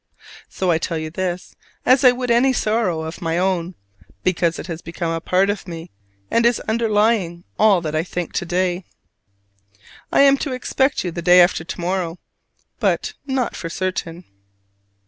So I tell you this, as I would any sorrow of my own, because it has become a part of me, and is underlying all that I think to day. I am to expect you the day after to morrow, but "not for certain"?